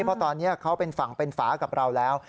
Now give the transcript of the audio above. เพราะตอนนี้เขาเป็นฝั่งเป็นฝากับเราแล้ว